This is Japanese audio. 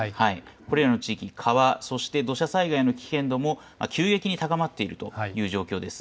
これらの地域、川そして土砂災害の危険度も急激に高まっているという状況です。